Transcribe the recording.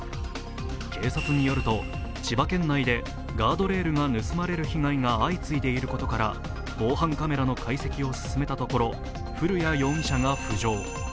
警察によると、千葉県内でガードレールが盗まれる被害が相次いでいることから防犯カメラの解析を進めたところ、古谷容疑者が浮上。